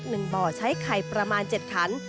หนึ่งบ่อใช้ไข่ประมาณ๗ถัน